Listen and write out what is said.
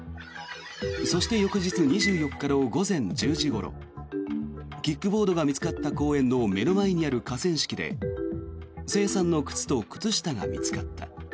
そして翌日２４日の午前１０時ごろキックボードが見つかった公園の目の前にある河川敷で朝芽さんの靴と靴下が見つかった。